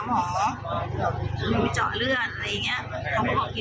หนูไปเจาะเลือดอะไรอย่างนี้